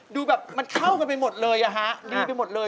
ดูแบบมันเข้ากันไปหมดเลยอะฮะดีไปหมดเลย